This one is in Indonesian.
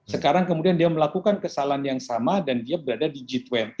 sekarang kemudian dia melakukan kesalahan yang sama dan dia berada di g dua puluh